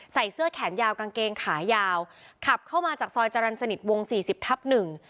ใส่เสื้อแขนยาวกางเกงขายาวขับเข้ามาจากซอยจรรย์สนิทวงสี่สิบทับหนึ่ง